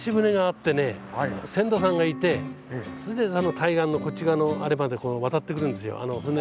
船頭さんがいてそれで対岸のこっち側のあれまで渡ってくるんですよ。